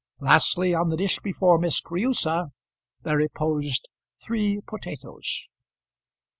Lastly, on the dish before Miss Creusa there reposed three potatoes.